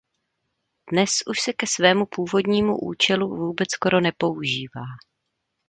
Dnes už se ke svému původnímu účelu skoro vůbec nepoužívá.